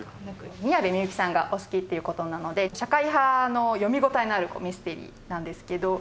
宮部みゆきさんがお好きっていう事なので社会派の読み応えのあるミステリーなんですけど。